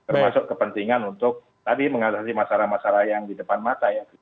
termasuk kepentingan untuk tadi mengatasi masalah masalah yang di depan mata ya